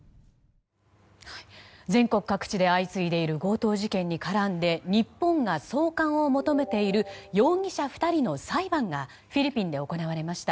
全国各地で相次いでいる強盗事件に絡んで日本が送還を求めている容疑者２人の裁判がフィリピンで行われました。